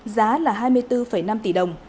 giá là hai mươi bốn năm tỷ đồng